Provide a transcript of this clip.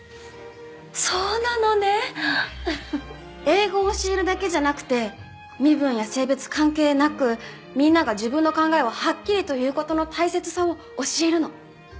英語を教えるだけじゃなくて身分や性別関係なくみんなが自分の考えをはっきりと言う事の大切さを教えるの。